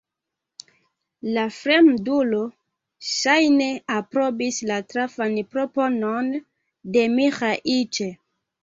La fremdulo, ŝajne, aprobis la trafan proponon de Miĥeiĉ.